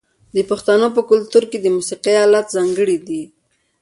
د پښتنو په کلتور کې د موسیقۍ الات ځانګړي دي.